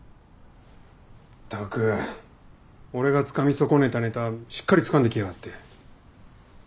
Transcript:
ったく俺がつかみ損ねたネタしっかりつかんできやがって。